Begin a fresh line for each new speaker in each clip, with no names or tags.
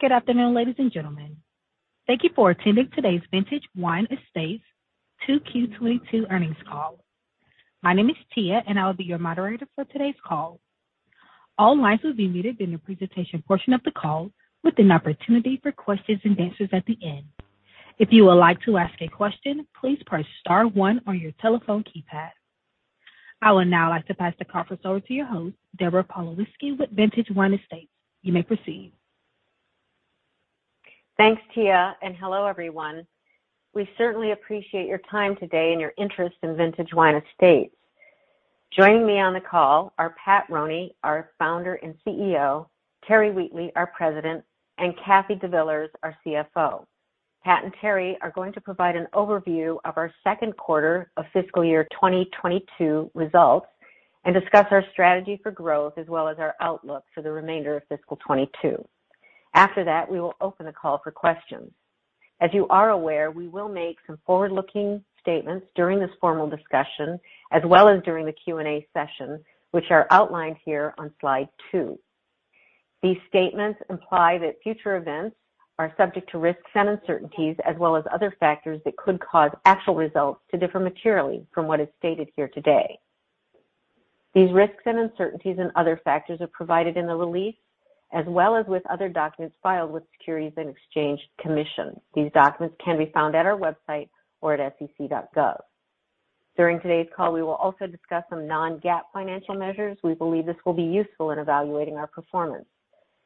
Good afternoon, ladies and gentlemen. Thank you for attending today's Vintage Wine Estates 2Q22 earnings call. My name is Tia, and I will be your moderator for today's call. All lines will be muted during the presentation portion of the call, with an opportunity for questions and answers at the end. If you would like to ask a question, please press star one on your telephone keypad. I would now like to turn the conference over to your host, Deborah Pawlowski with Vintage Wine Estates. You may proceed.
Thanks, Tia, and hello, everyone. We certainly appreciate your time today and your interest in Vintage Wine Estates. Joining me on the call are Pat Roney, our Founder and CEO, Terry Wheatley, our President, and Kathy DeVillers, our CFO. Pat and Terry are going to provide an overview of our second quarter of fiscal year 2022 results and discuss our strategy for growth as well as our outlook for the remainder of fiscal 2022. After that, we will open the call for questions. As you are aware, we will make some forward-looking statements during this formal discussion as well as during the Q&A session, which are outlined here on slide two. These statements imply that future events are subject to risks and uncertainties as well as other factors that could cause actual results to differ materially from what is stated here today. These risks and uncertainties, and other factors are provided in the release as well as with other documents filed with Securities and Exchange Commission. These documents can be found at our website or at sec.gov. During today's call, we will also discuss some non-GAAP financial measures. We believe this will be useful in evaluating our performance.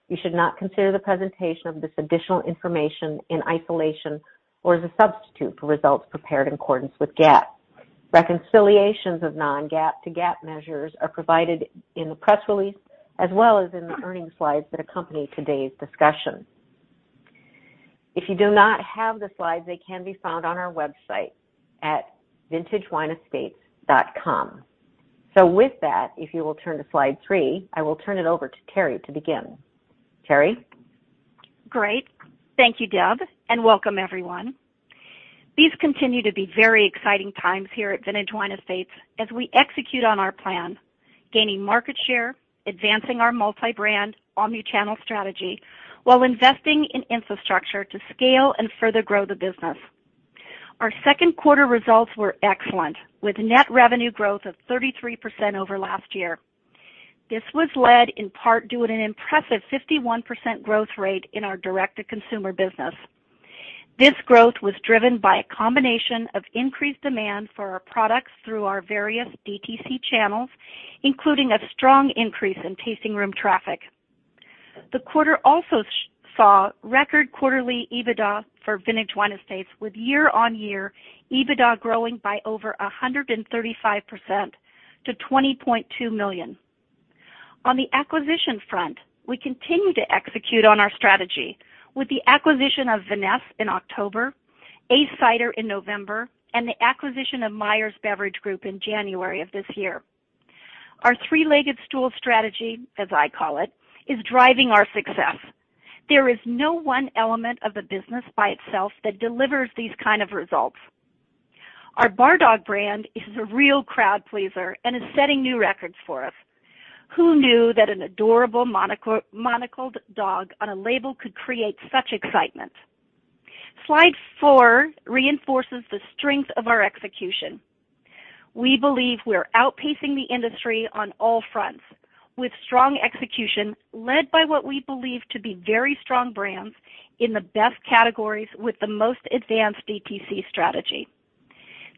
You should not consider the presentation of this additional information in isolation or as a substitute for results prepared in accordance with GAAP. Reconciliations of non-GAAP to GAAP measures are provided in the press release as well as in the earnings slides that accompany today's discussion. If you do not have the slides, they can be found on our website at vintagewineestates.com. With that, if you will turn to slide three, I will turn it over to Terry to begin. Terry?
Great. Thank you, Deb, and welcome everyone. These continue to be very exciting times here at Vintage Wine Estates as we execute on our plan, gaining market share, advancing our multi-brand omni-channel strategy, while investing in infrastructure to scale, and further grow the business. Our second quarter results were excellent, with net revenue growth of 33% over last year. This was led in part due to an impressive 51% growth rate in our direct-to-consumer business. This growth was driven by a combination of increased demand for our products through our various DTC channels, including a strong increase in tasting room traffic. The quarter also saw record quarterly EBITDA for Vintage Wine Estates, with year-on-year EBITDA growing by over 135% to $20.2 million. On the acquisition front, we continue to execute on our strategy with the acquisition of Vinesse in October, Ace Cider in November, and the acquisition of Meier's Beverage Group in January of this year. Our three-legged stool strategy, as I call it, is driving our success. There is no one element of the business by itself that delivers these kind of results. Our Bar Dog brand is a real crowd pleaser and is setting new records for us. Who knew that an adorable monocled dog on a label could create such excitement? Slide four, reinforces the strength of our execution. We believe we are outpacing the industry on all fronts, with strong execution led by what we believe to be very strong brands in the best categories with the most advanced DTC strategy.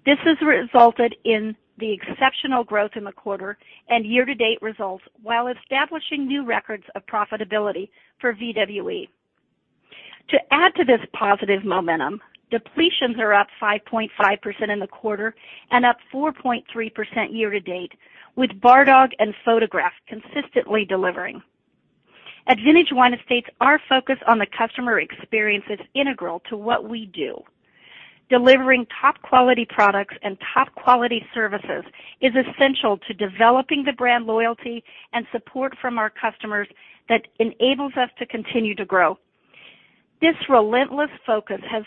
This has resulted in the exceptional growth in the quarter and year-to-date results while establishing new records of profitability for VWE. To add to this positive momentum, depletions are up 5.5% in the quarter and up 4.3% year-to-date, with Bar Dog and Photograph consistently delivering. At Vintage Wine Estates, our focus on the customer experience is integral to what we do. Delivering top quality products and top quality services is essential to developing the brand loyalty, and support from our customers that enables us to continue to grow. This relentless focus has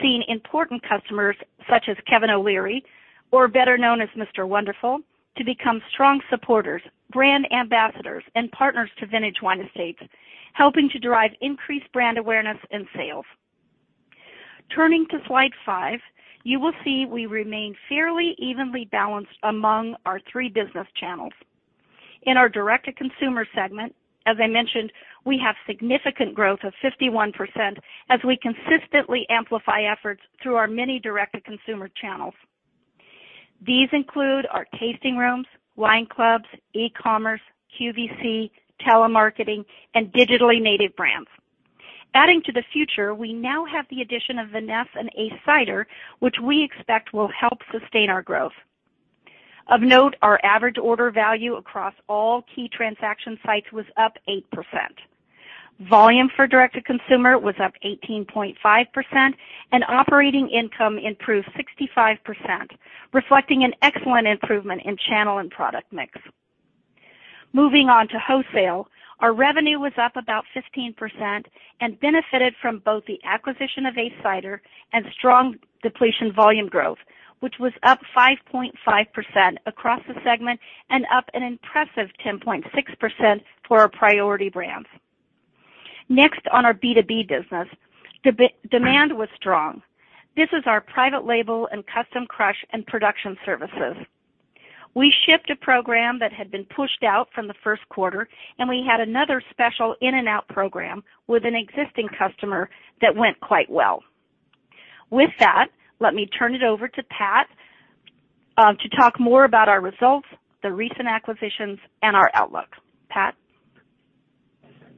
seen important customers such as Kevin O'Leary, or better known as Mr. Wonderful, to become strong supporters, brand ambassadors, and partners to Vintage Wine Estates, helping to drive increased brand awareness and sales. Turning to slide five, you will see we remain fairly evenly balanced among our three business channels. In our direct-to-consumer segment, as I mentioned, we have significant growth of 51% as we consistently amplify efforts through our many direct-to-consumer channels. These include our tasting rooms, wine clubs, e-commerce, QVC, telemarketing, and digitally native brands. Adding to the future, we now have the addition of Vinesse and Ace Cider, which we expect will help sustain our growth. Of note, our average order value across all key transaction sites was up 8%. Volume for direct-to-consumer was up 18.5%, and operating income improved 65%, reflecting an excellent improvement in channel and product mix. Moving on to wholesale, our revenue was up about 15% and benefited from both the acquisition of Ace Cider and strong depletion volume growth, which was up 5.5% across the segment and up an impressive 10.6% for our priority brands. Next on our B2B business, demand was strong. This is our private label and custom crush and production services. We shipped a program that had been pushed out from the first quarter, and we had another special in-and-out program with an existing customer that went quite well. With that, let me turn it over to Pat to talk more about our results, the recent acquisitions, and our outlook. Pat?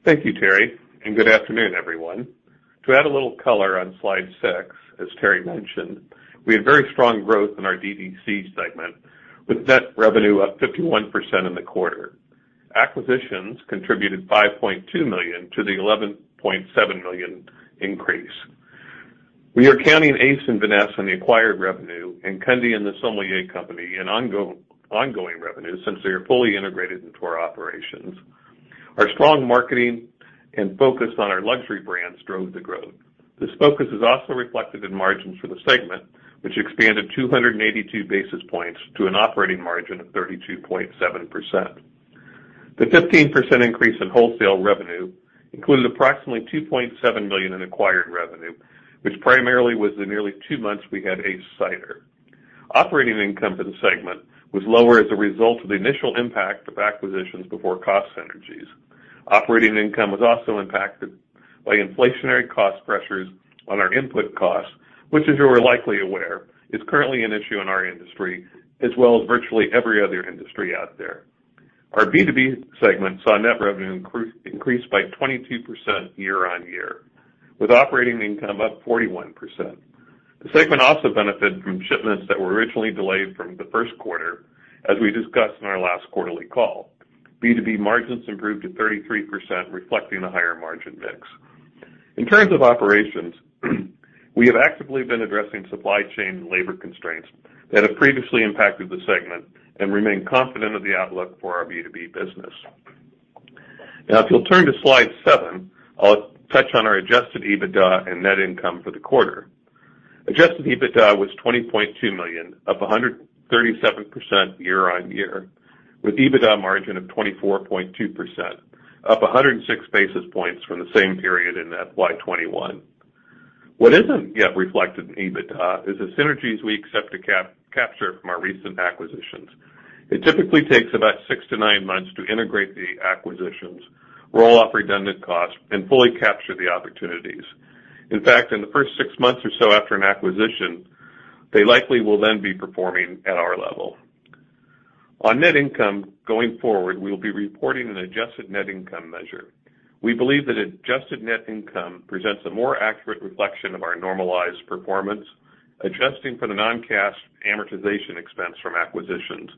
Thank you, Terry, and good afternoon, everyone. To add a little color on slide six, as Terry mentioned, we had very strong growth in our DTC segment, with net revenue up 51% in the quarter. Acquisitions contributed $5.2 million to the $11.7 million increase. We are counting ACE and Vinesse in the acquired revenue and Kunde and The Sommelier Company in ongoing revenue since they are fully integrated into our operations. Our strong marketing, and focus on our luxury brands drove the growth. This focus is also reflected in margins for the segment, which expanded 282 basis points to an operating margin of 32.7%. The 15% increase in wholesale revenue included approximately $2.7 million in acquired revenue, which primarily was the nearly two months we had ACE Cider. Operating income for the segment was lower as a result of the initial impact of acquisitions before cost synergies. Operating income was also impacted by inflationary cost pressures on our input costs, which, as you are likely aware, is currently an issue in our industry, as well as virtually every other industry out there. Our B2B segment saw net revenue increase by 22% year-on-year, with operating income up 41%. The segment also benefit from shipments that were originally delayed from the first quarter, as we discussed in our last quarterly call. B2B margins improved to 33%, reflecting a higher margin mix. In terms of operations, we have actively been addressing supply chain and labor constraints that have previously impacted the segment and remain confident of the outlook for our B2B business. Now, if you'll turn to slide seven, I'll touch on our adjusted EBITDA and net income for the quarter. Adjusted EBITDA was $20.2 million, up 137% year-on-year, with EBITDA margin of 24.2%, up 106 basis points from the same period in FY 2021. What isn't yet reflected in EBITDA is the synergies we expect to capture from our recent acquisitions. It typically takes about six to nine months to integrate the acquisitions, roll off redundant costs, and fully capture the opportunities. In fact, in the first 6 months or so after an acquisition, they likely will then be performing at our level. On net income, going forward, we will be reporting an adjusted net income measure. We believe that adjusted net income presents a more accurate reflection of our normalized performance, adjusting for the non-cash amortization expense from acquisitions,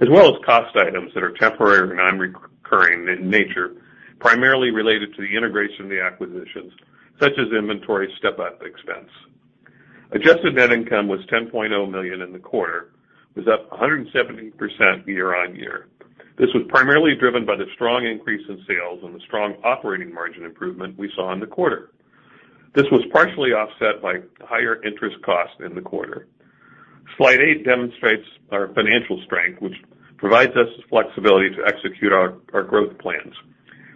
as well as cost items that are temporary or nonrecurring in nature, primarily related to the integration of the acquisitions, such as inventory step-up expense. Adjusted net income was $10.0 million in the quarter. It was up 170% year-on-year. This was primarily driven by the strong increase in sales, and the strong operating margin improvement we saw in the quarter. This was partially offset by higher interest costs in the quarter. Slide eight demonstrates our financial strength, which provides us the flexibility to execute our growth plans.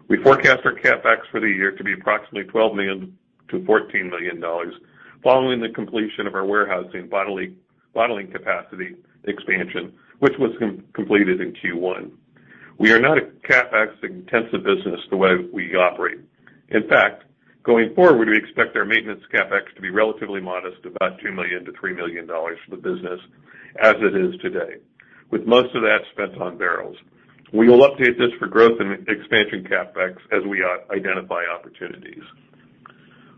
We forecast our CapEx for the year to be approximately $12 million-$14 million following the completion of our warehousing bottling capacity expansion, which was completed in Q1. We are not a CapEx-intensive business the way we operate. In fact, going forward, we expect our maintenance CapEx to be relatively modest, about $2 million-$3 million for the business as it is today, with most of that spent on barrels. We will update this for growth and expansion CapEx as we identify opportunities.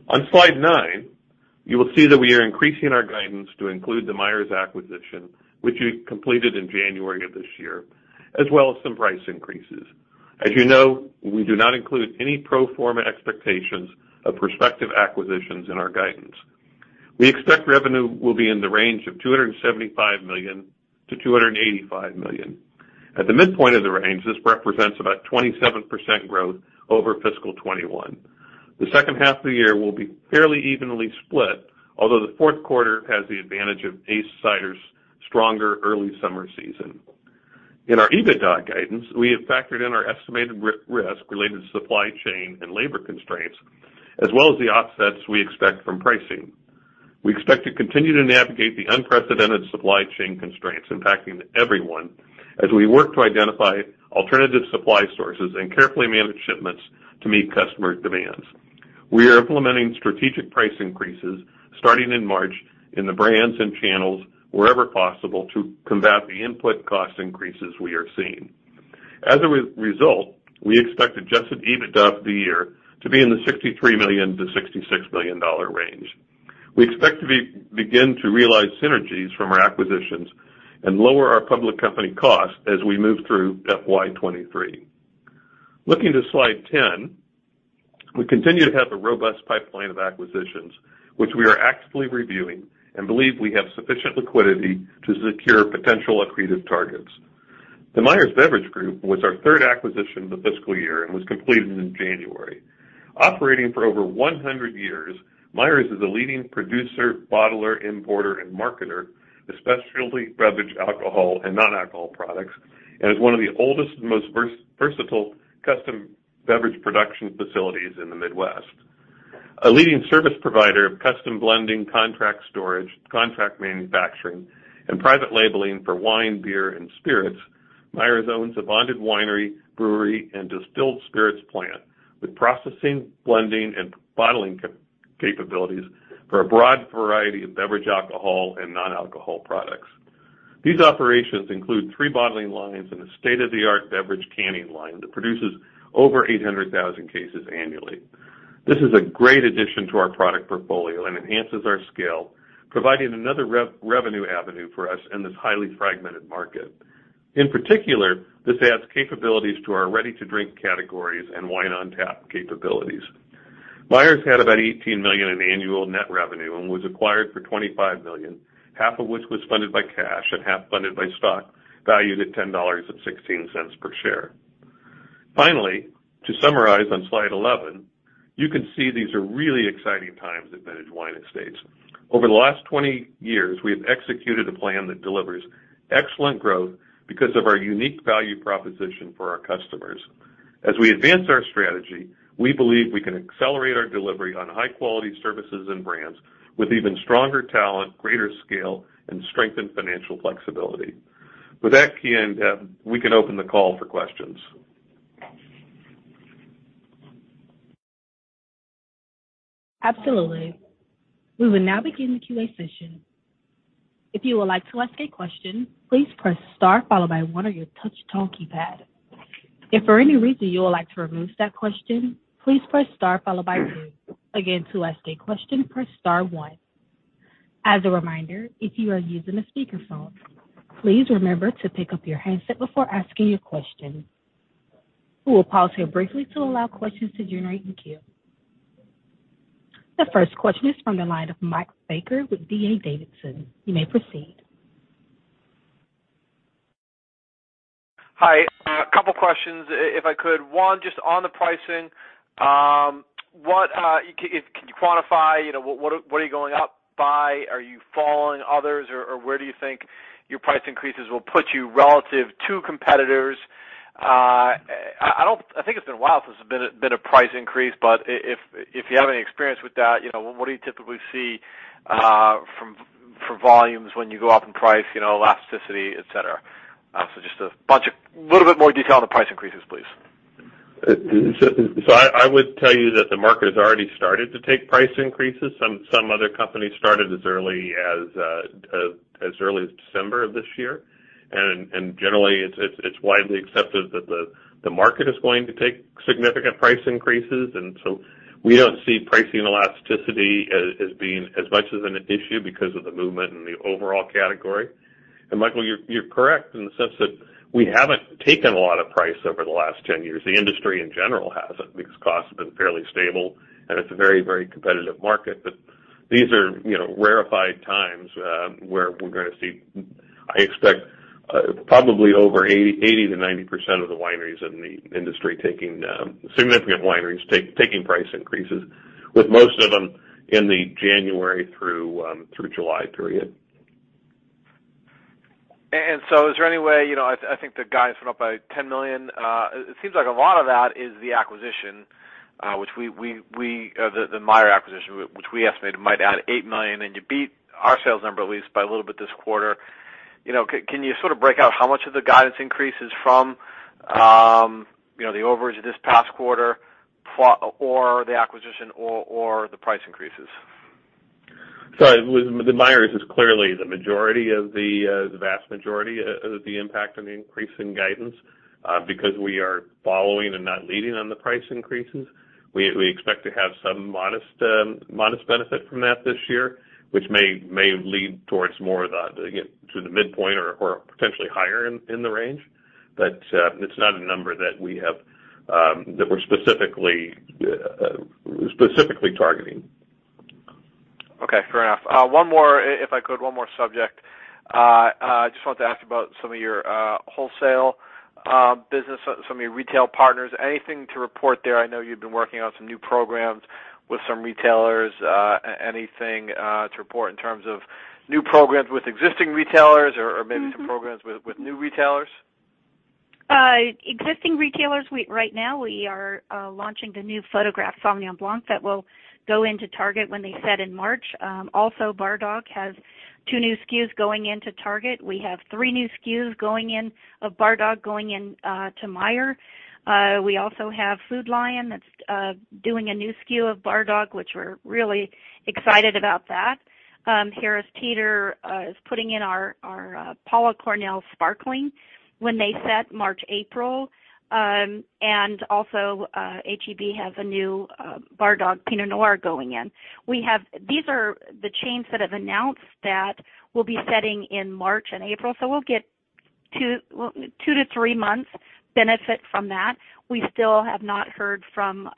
On slide nine, you will see that we are increasing our guidance to include the Meier’s acquisition, which we completed in January of this year, as well as some price increases. As you know, we do not include any pro forma expectations of prospective acquisitions in our guidance. We expect revenue will be in the range of $275 million-$285 million. At the midpoint of the range, this represents about 27% growth over fiscal 2021. The second half of the year will be fairly evenly split, although the fourth quarter has the advantage of ACE Cider's stronger early summer season. In our EBITDA guidance, we have factored in our estimated risk related to supply chain and labor constraints, as well as the offsets we expect from pricing. We expect to continue to navigate the unprecedented supply chain constraints impacting everyone as we work to identify alternative supply sources and carefully manage shipments to meet customer demands. We are implementing strategic price increases starting in March in the brands and channels wherever possible to combat the input cost increases we are seeing. As a result, we expect adjusted EBITDA for the year to be in the $63 million-$66 million range. We expect to begin to realize synergies from our acquisitions and lower our public company costs as we move through FY 2023. Looking to slide 10, we continue to have a robust pipeline of acquisitions, which we are actively reviewing and believe we have sufficient liquidity to secure potential accretive targets. The Meier's Beverage Group was our third acquisition of the fiscal year and was completed in January. Operating for over 100 years, Meier's is a leading producer, bottler, importer, and marketer of specialty beverage, alcohol, and non-alcohol products. It is one of the oldest and most versatile custom beverage production facilities in the Midwest. A leading service provider of custom blending, contract storage, contract manufacturing, and private labeling for wine, beer, and spirits. Meier's owns a bonded winery, brewery, and distilled spirits plant with processing, blending, and bottling capabilities for a broad variety of beverage alcohol and non-alcohol products. These operations include three bottling lines and a state-of-the-art beverage canning line that produces over 800,000 cases annually. This is a great addition to our product portfolio and enhances our scale, providing another revenue avenue for us in this highly fragmented market. In particular, this adds capabilities to our ready-to-drink categories and wine on tap capabilities. Meier's had about $18 million in annual net revenue and was acquired for $25 million, half of which was funded by cash and half funded by stock valued at $10.16 per share. Finally, to summarize on slide 11, you can see these are really exciting times at Vintage Wine Estates. Over the last 20 years, we have executed a plan that delivers excellent growth because of our unique value proposition for our customers. As we advance our strategy, we believe we can accelerate our delivery on high quality services and brands with even stronger talent, greater scale, and strengthened financial flexibility. With that, we can open the call for questions.
Absolutely. We will now begin the Q&A session. If you would like to ask a question, please press star followed by one on your touch tone keypad. If for any reason you would like to remove that question, please press star followed by two. Again, to ask a question, press star one. As a reminder, if you are using a speakerphone, please remember to pick up your handset before asking your question. We will pause here briefly to allow questions to generate in queue. The first question is from the line of Mike Baker with D.A. Davidson. You may proceed.
Hi. A couple questions, if I could. One, just on the pricing, what can you quantify, you know, what are you going up by? Are you following others or where do you think your price increases will put you relative to competitors? I think it's been a while since there's been a price increase. But if you have any experience with that, you know, what do you typically see for volumes when you go up in price, you know, elasticity, et cetera? So just a little bit more detail on the price increases, please.
I would tell you that the market has already started to take price increases. Some other companies started as early as December of this year. Generally, it's widely accepted that the market is going to take significant price increases. We don't see pricing elasticity as being as much of an issue because of the movement in the overall category. Michael, you're correct in the sense that we haven't taken a lot of price over the last 10 years. The industry in general hasn't, because cost has been fairly stable, and it's a very competitive market. These are, you know, rarefied times where we're gonna see, I expect, probably over 80%-90% of the wineries in the industry taking significant price increases, with most of them in the January through July period.
Is there any way, you know, I think the guidance went up by $10 million. It seems like a lot of that is the acquisition, which we estimated might add $8 million, and you beat our sales number at least by a little bit this quarter. You know, can you sort of break out how much of the guidance increase is from, you know, the overage of this past quarter or the acquisition or the price increases?
The Meier's is clearly the majority of the vast majority of the impact on the increase in guidance. Because we are following and not leading on the price increases, we expect to have some modest benefit from that this year, which may lead towards more to the midpoint or potentially higher in the range. It's not a number that we have that we're specifically targeting.
Okay. Fair enough. If I could, one more subject. I just wanted to ask about some of your wholesale business, some of your retail partners. Anything to report there? I know you've been working on some new programs with some retailers. Anything to report in terms of new programs with existing retailers or maybe.
Mm-hmm.
Some programs with new retailers?
Existing retailers, right now, we are launching the new Photograph Sauvignon Blanc that will go into Target when they set in March. Also, Bar Dog has two new SKUs going into Target. We have three new SKUs of Bar Dog going in to Meijer. We also have Food Lion that's doing a new SKU of Bar Dog, which we're really excited about that. Harris Teeter is putting in our Clos Pegase Sparkling when they set March, April. H-E-B has a new Bar Dog Pinot Noir going in. These are the chains that have announced that will be setting in March and April, so we'll get two to three months benefit from that. We still have not heard from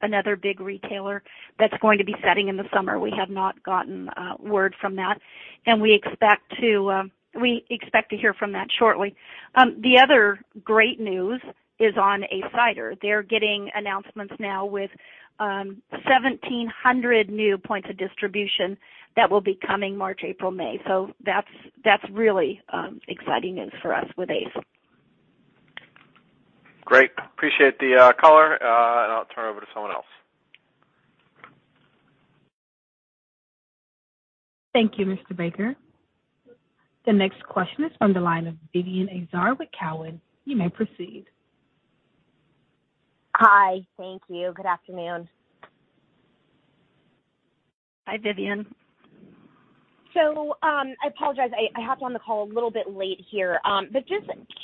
another big retailer that's going to be setting in the summer. We have not gotten word from that, and we expect to hear from that shortly. The other great news is on Ace Cider. They're getting announcements now with 1,700 new points of distribution that will be coming March, April, May. That's really exciting news for us with Ace.
Great. Appreciate the caller, and I'll turn it over to someone else.
Thank you, Mr. Baker. The next question is from the line of Vivien Azer with Cowen. You may proceed.
Hi. Thank you. Good afternoon.
Hi, Vivien.
I apologize, I hopped on the call a little bit late here. Just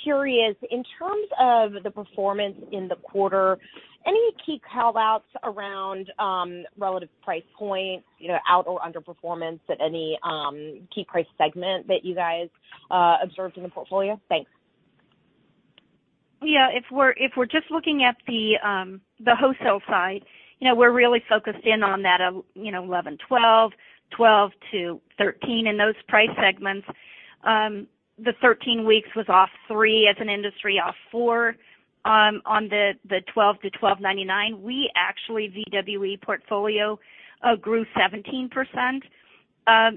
curious, in terms of the performance in the quarter, any key call-outs around relative price points, you know, out or underperformance at any key price segment that you guys observed in the portfolio? Thanks.
Yeah. If we're just looking at the wholesale side, you know, we're really focused in on that $11-$12, $12-$13 in those price segments. The 13 weeks was off 3% as an industry, off 4% on the $12-$12.99. We actually VWE portfolio grew 17%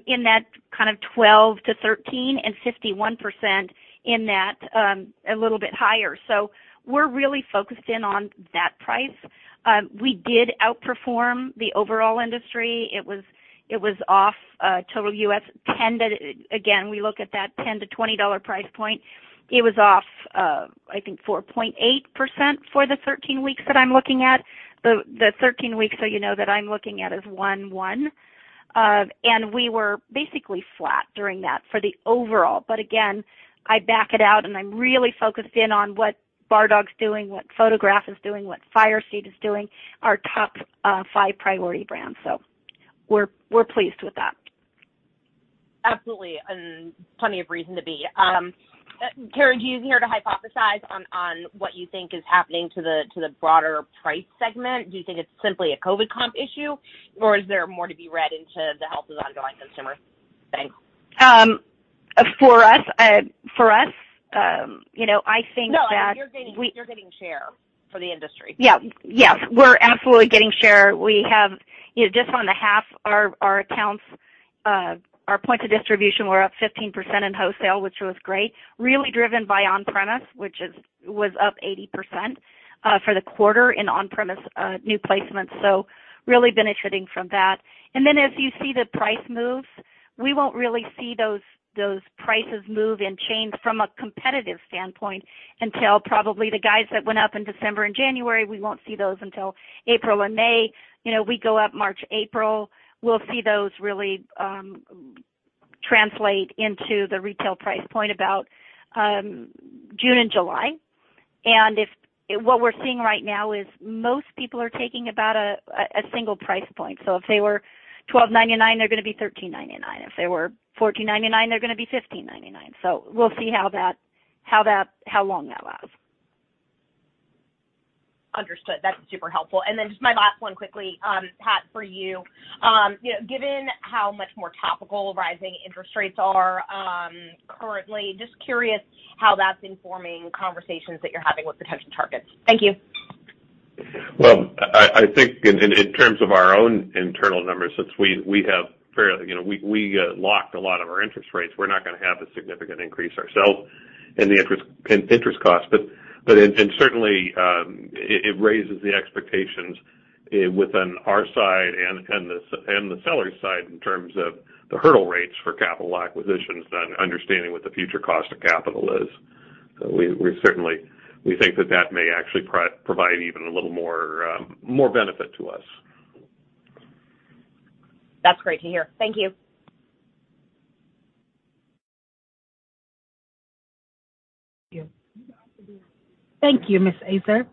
in that kind of $12-$13 and 51% in that a little bit higher. We're really focused in on that price. We did outperform the overall industry. It was off total U.S. 10%. But again, we look at that $10-$20 price point. It was off, I think, 4.8% for the 13 weeks that I'm looking at. The 13 weeks, so you know, that I'm looking at is 1-1. We were basically flat during that for the overall. Again, I back it out, and I'm really focused in on what Bar Dog's doing, what Photograph is doing, what Firesteed is doing, our top five priority brands. We're pleased with that.
Absolutely. Plenty of reason to be.
Yes.
Terry, do you care to hypothesize on what you think is happening to the broader price segment? Do you think it's simply a COVID comp issue, or is there more to be read into the health of ongoing consumer spend?
For us, you know, I think that we.
No, you're gaining share for the industry.
Yeah. Yes, we're absolutely getting share. We have, you know, just on half our accounts, our points of distribution, we're up 15% in wholesale, which was great, really driven by on-premise, which was up 80% for the quarter in on-premise new placements, so really benefiting from that. As you see the price moves, we won't really see those prices move in chains from a competitive standpoint until probably the guys that went up in December and January. We won't see those until April and May. You know, we go up March, April. We'll see those really translate into the retail price point about June and July. What we're seeing right now is most people are taking about a single price point. So if they were $12.99, they're gonna be $13.99. If they were $14.99, they're gonna be $15.99. We'll see how long that lasts.
Understood. That's super helpful. Just my last one quickly, Pat, for you. You know, given how much more topical rising interest rates are, currently, just curious how that's informing conversations that you're having with potential targets. Thank you.
Well, I think in terms of our own internal numbers, since we have fairly, you know, we locked a lot of our interest rates, we're not gonna have a significant increase ourselves in interest costs. Certainly, it raises the expectations within our side, and the seller side in terms of the hurdle rates for capital acquisitions, then understanding what the future cost of capital is. We certainly think that may actually provide even a little more benefit to us.
That's great to hear. Thank you.
Thank you, Ms. Azer.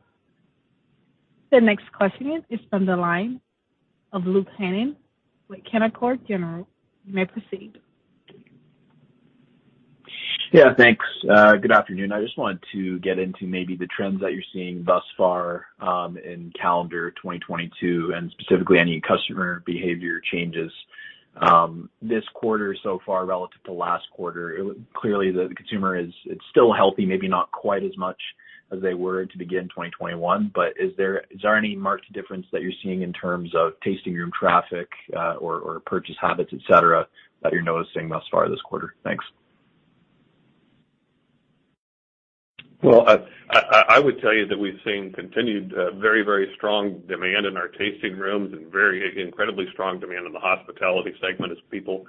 The next question is from the line of Luke Hannan with Canaccord Genuity. You may proceed.
Yeah, thanks. Good afternoon. I just wanted to get into maybe the trends that you're seeing thus far in calendar 2022, and specifically any customer behavior changes this quarter so far relative to last quarter. Clearly, the consumer is, it's still healthy, maybe not quite as much as they were to begin 2021, but is there any marked difference that you're seeing in terms of tasting room traffic or purchase habits, et cetera, that you're noticing thus far this quarter? Thanks.
Well, I would tell you that we've seen continued very strong demand in our tasting rooms and very incredibly strong demand in the hospitality segment as people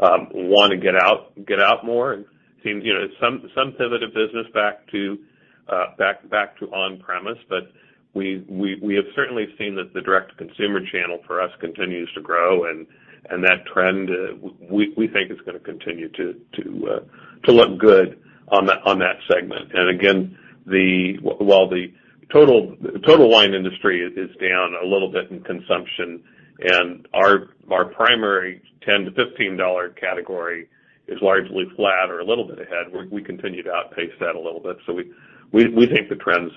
wanna get out more and seem, you know, some pivot of business back to on-premise. We have certainly seen that the direct-to-consumer channel for us continues to grow, and that trend we think is gonna continue to look good on that segment. Again, while the total wine industry is down a little bit in consumption and our primary $10-$15 category is largely flat or a little bit ahead, we continue to outpace that a little bit. We think the trends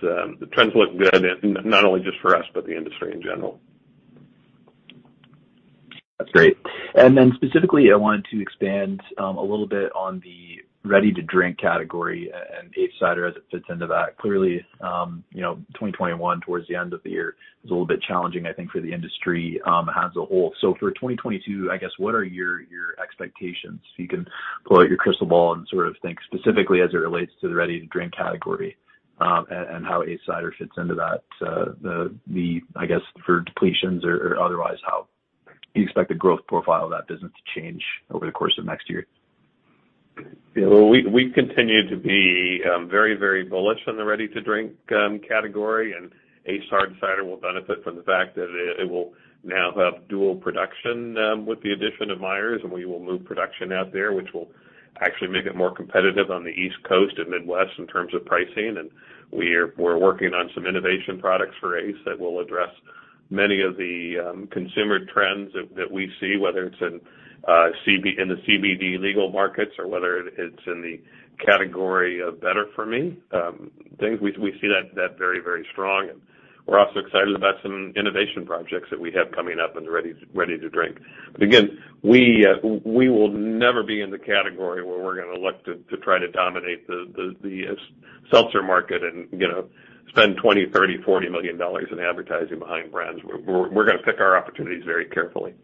look good, and not only just for us, but the industry in general.
That's great. Specifically, I wanted to expand a little bit on the ready-to-drink category and ACE Cider as it fits into that. Clearly, you know, 2021 towards the end of the year was a little bit challenging, I think, for the industry as a whole. For 2022, I guess what are your expectations. You can pull out your crystal ball and sort of think specifically as it relates to the ready-to-drink category and how ACE Cider fits into that. I guess for depletions or otherwise, how you expect the growth profile of that business to change over the course of next year.
Well, we continue to be very bullish on the ready-to-drink category, and ACE Cider will benefit from the fact that it will now have dual production with the addition of Meier's, and we will move production out there, which will actually make it more competitive on the East Coast and Midwest in terms of pricing. We're working on some innovation products for ACE that will address many of the consumer trends that we see, whether it's in the CBD legal markets or whether it's in the category of better-for-me things. We see that very strong. We're also excited about some innovation projects that we have coming up in ready-to-drink. Again, we will never be in the category where we're gonna look to try to dominate the seltzer market and, you know, spend $20 million, $30 million, $40 million in advertising behind brands. We're gonna pick our opportunities very carefully.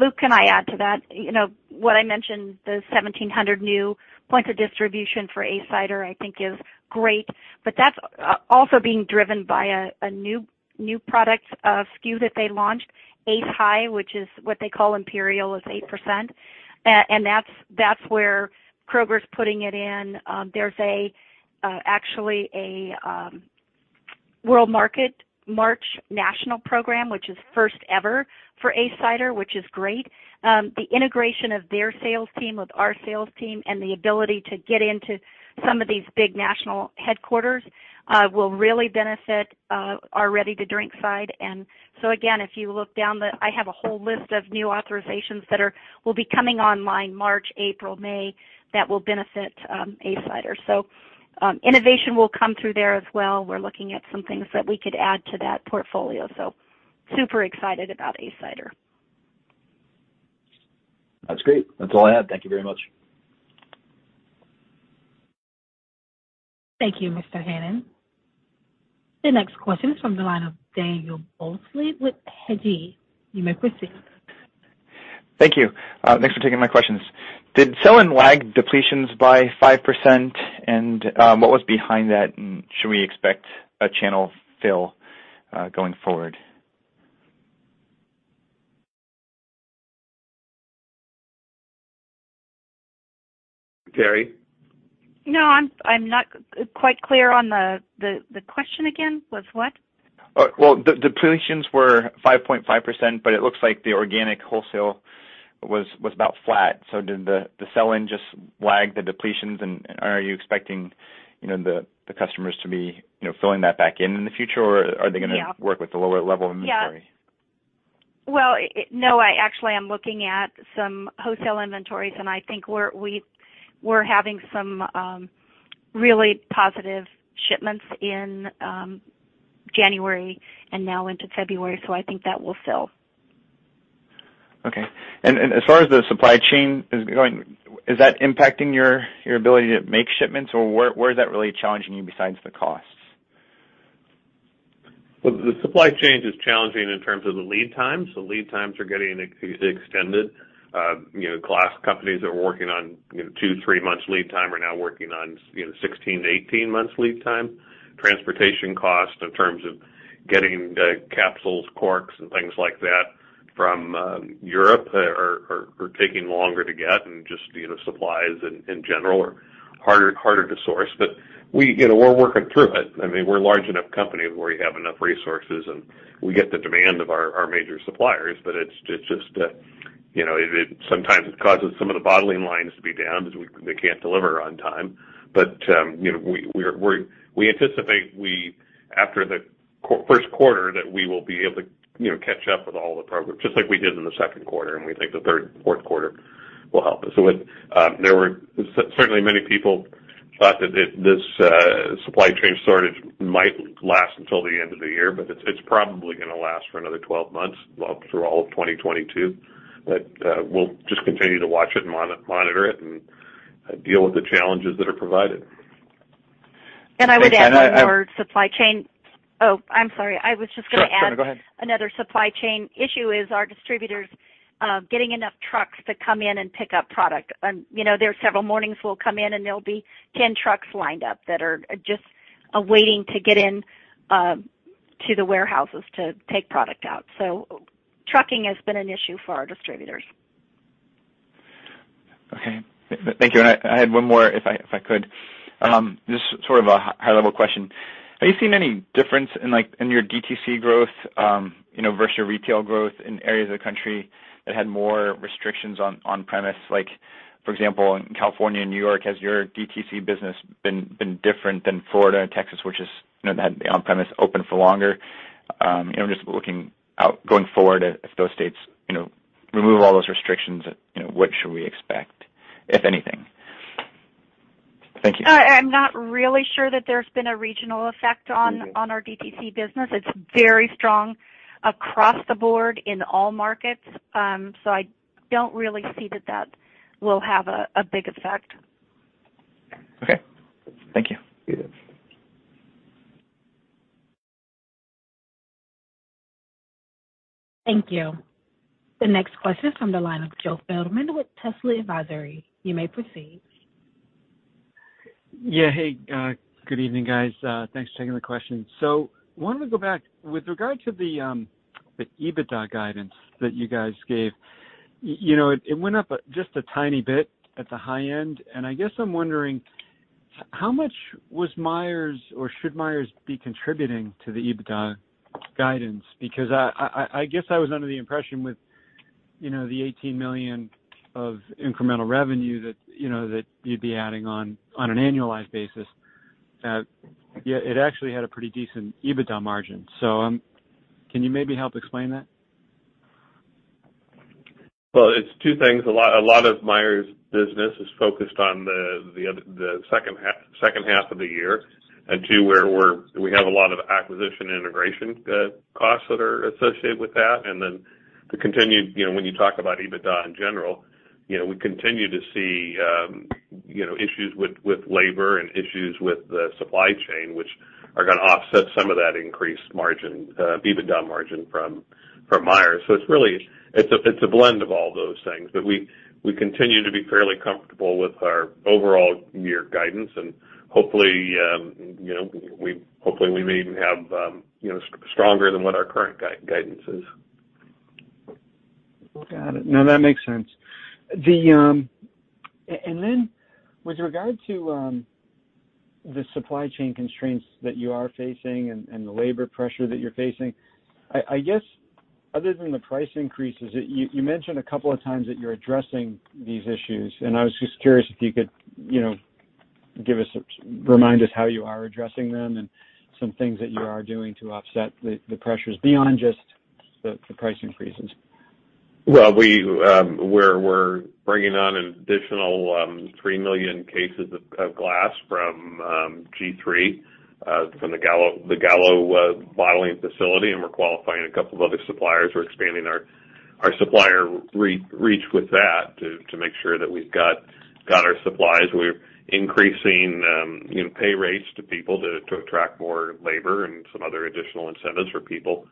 Luke, can I add to that? You know, what I mentioned, the 1,700 new points of distribution for ACE Cider I think is great, but that's also being driven by a new product SKU that they launched, ACE High, which is what they call Imperial, is 8%. And that's where Kroger's putting it in. There's actually a World Market March national program, which is first ever for ACE Cider, which is great. The integration of their sales team with our sales team and the ability to get into some of these big national headquarters will really benefit our ready-to-drink side. Again, if you look down the I have a whole list of new authorizations that will be coming online March, April, May, that will benefit ACE Cider. innovation will come through there as well. We're looking at some things that we could add to that portfolio, so super excited about Ace Cider.
That's great. That's all I had. Thank you very much.
Thank you, Mr. Hannan. The next question is from the line of Daniel Biolsi with Hedgeye. You may proceed.
Thank you. Thanks for taking my questions. Did sell-in lag depletions by 5%, and what was behind that, and should we expect a channel fill going forward?
Terry?
No, I'm not quite clear on the question again. Was what?
Well, depletions were 5.5%, but it looks like the organic wholesale was about flat, so did the sell-in just lag the depletions, and are you expecting, you know, the customers to be, you know, filling that back in the future, or are they gonna?
Yeah.
Work with the lower level of inventory?
Yeah. Well, No, I actually am looking at some wholesale inventories, and I think we're having some really positive shipments in January and now into February, so I think that will fill.
Okay. As far as the supply chain is going, is that impacting your ability to make shipments, or where is that really challenging you besides the costs?
The supply chain is challenging in terms of the lead times. The lead times are getting extended. You know, glass companies are working on, you know, two to three months lead time are now working on you know, 16-18 months lead time. Transportation costs in terms of getting the capsules, corks, and things like that from Europe are taking longer to get and just, you know, supplies in general are harder to source. But we, you know, we're a large enough company where we have enough resources, and we get the ear of our major suppliers. But it's just, you know, it sometimes causes some of the bottling lines to be down because they can't deliver on time. you know, we anticipate after the first quarter, that we will be able to, you know, catch up with all the progress, just like we did in the second quarter, and we think the third and fourth quarter will help us. There were certainly many people thought that this supply chain shortage might last until the end of the year, but it's probably gonna last for another 12 months, well, through all of 2022. We'll just continue to watch it and monitor it and deal with the challenges that are provided.
I would add one more supply chain.
And I-
Oh, I'm sorry. I was just gonna add.
No, go ahead.
Another supply chain issue is our distributors getting enough trucks to come in and pick up product. You know, there are several mornings we'll come in, and there'll be 10 trucks lined up that are just waiting to get in to the warehouses to take product out. Trucking has been an issue for our distributors.
Okay. Thank you. I had one more, if I could. Just sort of a high-level question. Have you seen any difference in like, in your DTC growth, you know, versus your retail growth in areas of the country that had more restrictions on on-premise? Like for example, in California and New York, has your DTC business been different than Florida and Texas, which, you know, had the on-premise open for longer? You know, I'm just looking out going forward if those states remove all those restrictions, you know, what should we expect, if anything? Thank you.
I'm not really sure that there's been a regional effect on our DTC business. It's very strong across the board in all markets. I don't really see that will have a big effect.
Okay. Thank you.
You bet.
Thank you. The next question is from the line of Joe Feldman with Telsey Advisory. You may proceed.
Yeah. Hey, good evening, guys. Thanks for taking the question. Wanted to go back. With regard to the EBITDA guidance that you guys gave, you know, it went up just a tiny bit at the high end. I guess I'm wondering how much was Meier's or should Meier's be contributing to the EBITDA guidance? Because I guess I was under the impression with, you know, the $18 million of incremental revenue that, you know, that you'd be adding on an annualized basis, yeah, it actually had a pretty decent EBITDA margin. Can you maybe help explain that?
Well, it's two things. A lot of Meier's business is focused on the second half of the year, and too, where we have a lot of acquisition and integration costs that are associated with that. Then the continued, you know, when you talk about EBITDA in general, you know, we continue to see, you know, issues with labor and issues with the supply chain, which are gonna offset some of that increased margin, EBITDA margin from Meier's. It's really a blend of all those things. We continue to be fairly comfortable with our overall year guidance and hopefully, you know, we hopefully we may even have, you know, stronger than what our current guidance is.
Got it. No, that makes sense. With regard to the supply chain constraints that you are facing and the labor pressure that you're facing, I guess other than the price increases, you mentioned a couple of times that you're addressing these issues. I was just curious if you could, you know, remind us how you are addressing them and some things that you are doing to offset the pressures beyond just the price increases.
Well, we're bringing on an additional 3 million cases of glass from G3 from the Gallo bottling facility, and we're qualifying a couple of other suppliers. We're expanding our supplier reach with that to make sure that we've got our supplies. We're increasing, you know, pay rates to people to attract more labor and some other additional incentives for people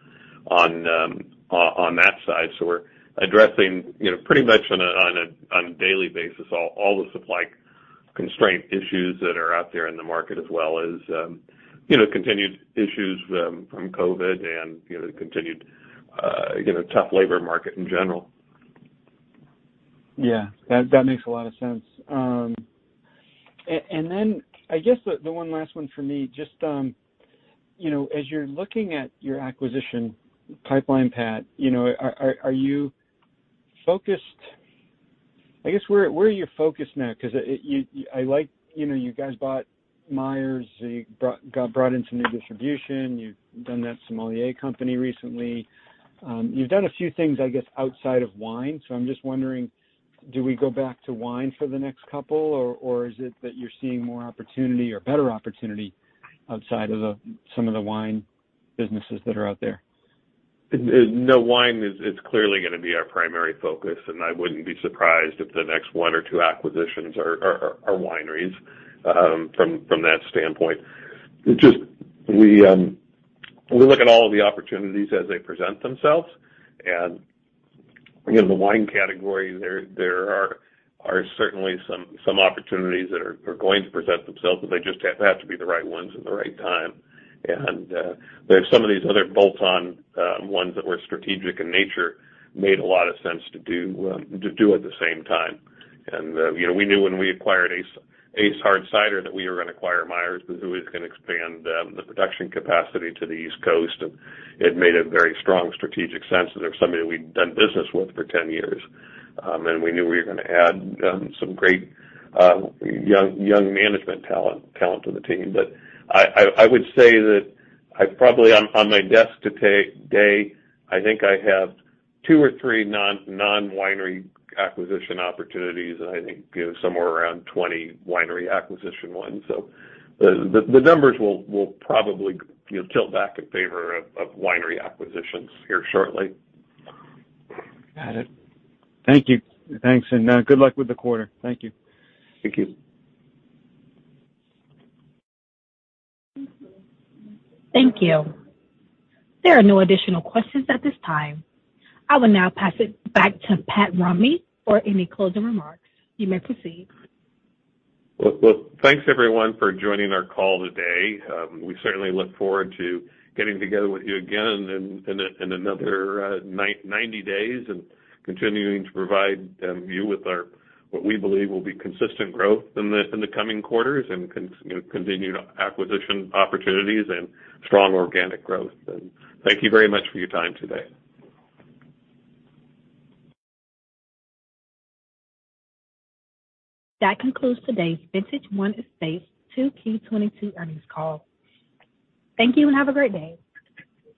on that side. We're addressing, you know, pretty much on a daily basis all the supply constraint issues that are out there in the market, as well as you know continued issues from COVID and you know the continued tough labor market in general.
Yeah. That makes a lot of sense. I guess the one last one for me, just, you know, as you're looking at your acquisition pipeline, Pat, you know, are you focused? I guess where are you focused now? 'Cause you, like, you know, you guys bought Meier’s, you brought, got brought in some new distribution. You've done the Sommelier Company recently. You've done a few things, I guess, outside of wine, so I'm just wondering, do we go back to wine for the next couple, or is it that you're seeing more opportunity or better opportunity outside of some of the wine businesses that are out there?
No, wine is clearly gonna be our primary focus, and I wouldn't be surprised if the next one or two acquisitions are wineries from that standpoint. It's just we look at all of the opportunities as they present themselves, and in the wine category there are certainly some opportunities that are going to present themselves, but they just have to be the right ones at the right time. There's some of these other bolt-on ones that were strategic in nature, made a lot of sense to do to do at the same time. You know, we knew when we acquired Ace Cider that we were gonna acquire Meier's. It was always gonna expand the production capacity to the East Coast, and it made a very strong strategic sense that they're somebody we've done business with for 10 years. We knew we were gonna add some great young management talent to the team. I would say that I probably on my desk today, I think I have two or three non-winery acquisition opportunities, and I think, you know, somewhere around 20 winery acquisition ones. The numbers will probably, you know, tilt back in favor of winery acquisitions here shortly.
Got it. Thank you. Thanks, and, good luck with the quarter. Thank you.
Thank you.
Thank you. There are no additional questions at this time. I will now pass it back to Pat Roney for any closing remarks. You may proceed.
Well, well, thanks everyone for joining our call today. We certainly look forward to getting together with you again in another 90 days and continuing to provide you with our, what we believe will be consistent growth in the coming quarters and you know, continued acquisition opportunities and strong organic growth. Thank you very much for your time today.
That concludes today's Vintage Wine Estates 2Q22 Earnings Call. Thank you, and have a great day.